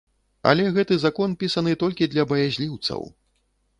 Але гэты закон пісаны толькі для баязліўцаў.